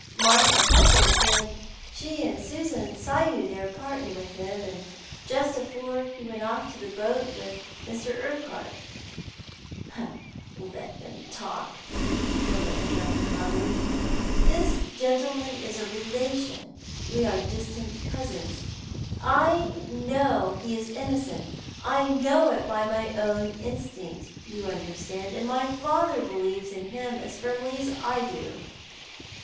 Martha Flessle said she and Susan saw you there parting with him, just afore he went off to the boat with Mr. Urquhart "'' Let them talk," Sibyl interrupted haughtily. " This gentle man is a relation — we are distant cousins. 1 know he is inno cent — know it by my own instinct, you understand— and my father believes in him as firmly as I do.